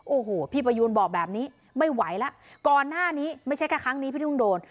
โอ้โหพี่ประยูนบอกแบบนี้ไม่ไหวแล้วก่อนหน้านี้ไม่ใช่แค่ครั้งนี้พี่ทุ่งโดน